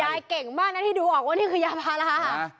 เก่งมากนะที่ดูออกว่านี่คือยาพารา